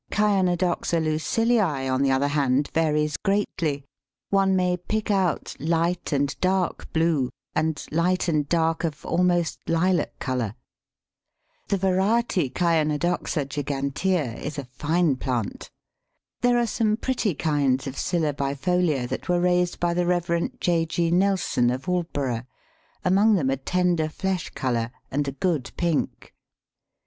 Chionodoxa Lucilliæ, on the other hand, varies greatly; one may pick out light and dark blue, and light and dark of almost lilac colour. The variety C. gigantea is a fine plant. There are some pretty kinds of Scilla bifolia that were raised by the Rev. J. G. Nelson of Aldborough, among them a tender flesh colour and a good pink.